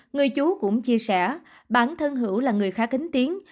người chú cũng chia sẻ bản thân hữu là người khá kính tiến